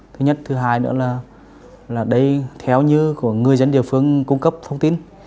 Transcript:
thứ nhất thứ hai nữa là đây theo như của người dân địa phương cung cấp thông tin